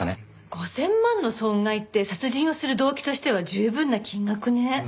５０００万の損害って殺人をする動機としては十分な金額ね。